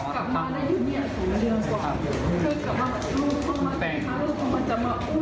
กลับมาได้เนี่ยสูงเรื่องกว่า